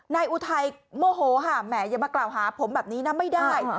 อุทัยโมโหค่ะแหมอย่ามากล่าวหาผมแบบนี้นะไม่ได้